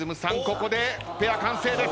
ここでペア完成です。